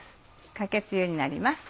かけつゆになります。